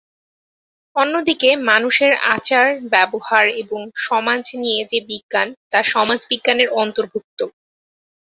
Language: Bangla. অন্যদিকে মানুষের আচার-ব্যবহার এবং সমাজ নিয়ে যে বিজ্ঞান তা সমাজ বিজ্ঞানের অন্তর্ভুক্ত।